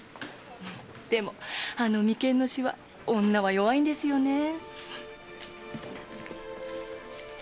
でもあの眉間のシワ女は弱いんですよねえ。